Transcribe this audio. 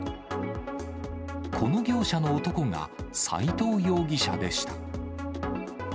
この業者の男が、斉藤容疑者でした。